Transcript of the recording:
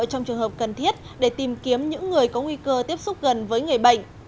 trong trường hợp cần thiết để tìm kiếm những người có nguy cơ tiếp xúc gần với người bệnh